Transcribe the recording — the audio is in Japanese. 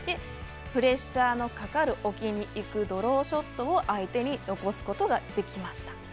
プレッシャーのかかる置きにいくドローショットを相手に残すことができました。